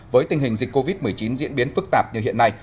với tình hình dịch covid một mươi chín diễn biến phức tạp như hiện nay